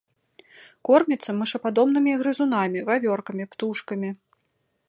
Корміцца мышападобнымі грызунамі, вавёркамі, птушкамі.